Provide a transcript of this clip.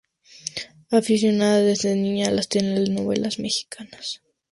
Aficionada desde niña a las telenovelas mexicanas.